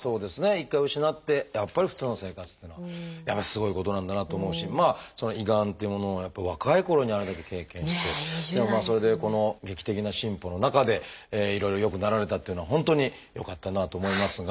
一回失ってやっぱり普通の生活っていうのはやっぱりすごいことなんだなと思うし胃がんっていうものがやっぱり若いころにあれだけ経験してそれでこの劇的な進歩の中でいろいろ良くなられたっていうのは本当によかったなと思いますが。